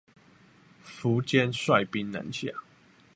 苻堅率兵南下